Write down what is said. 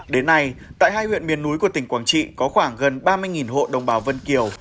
đến nay tại hai huyện miền núi của tỉnh quảng trị có khoảng gần ba mươi hộ đồng bào vân kiều